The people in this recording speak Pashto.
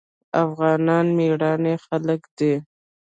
افغانان مېړني خلک دي.